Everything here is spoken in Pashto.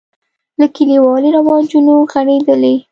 له کلیوالي رواجونو غړېدلی.